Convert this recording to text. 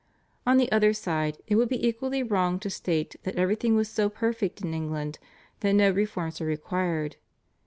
On the other side it would be equally wrong to state that everything was so perfect in England that no reforms were required.